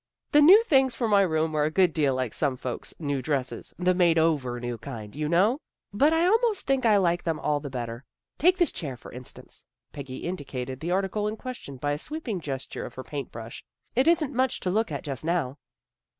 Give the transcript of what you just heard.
" The new things for my room are a good deal like some folks' new dresses, the made over, new kind, you know. But I almost think I like them all the better. Take this chair, for instance." Peggy indicated the article in question by a sweeping gesture of her paint brush. " It isn't much to look at just now."